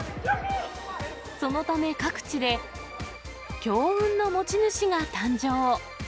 そのため、各地で強運の持ち主が誕生。